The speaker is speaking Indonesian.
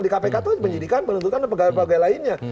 di kpk itu penyidikan penuntutkan pegawai pegawai lainnya